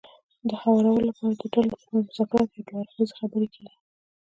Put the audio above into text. د هوارولو لپاره د ډلو ترمنځ مذاکرات يا دوه اړخیزې خبرې کېږي.